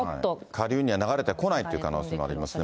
下流には流れてこないという可能性もありますので。